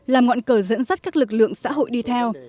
làm ngọn cờ dẫn dắt các lực lượng xã hội đi theo